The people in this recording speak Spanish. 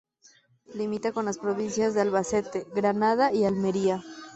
Limita con las provincias de Albacete, Granada y Almería.